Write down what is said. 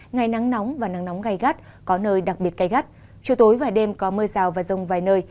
ngày nắng nóng và nắng nóng gai gắt có nơi đặc biệt gai gắt chiều tối và đêm có mưa rào và rông vài nơi